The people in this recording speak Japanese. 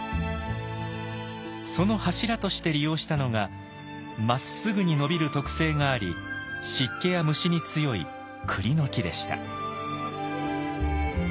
その柱として利用したのがまっすぐに伸びる特性があり湿気や虫に強いクリの木でした。